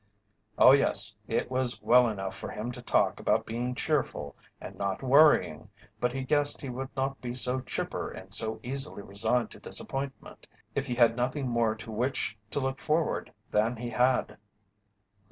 Oh, yes, it was well enough for him to talk about being cheerful and not worrying, but he guessed he would not be so chipper and so easily resigned to disappointment if he had nothing more to which to look forward than he had.